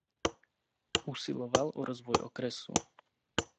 Usiloval o rozvoj okresu.